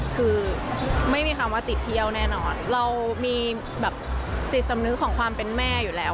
คือไม่มีคำว่าจิตเที่ยวแน่นอนเรามีแบบจิตสำนึกของความเป็นแม่อยู่แล้ว